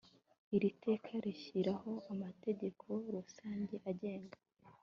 iri teka rishyiraho amategeko rusange agenga